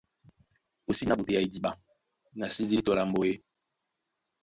O sí bí ná ɓotea idiɓa, na sí ɗédi tɔ lambo e?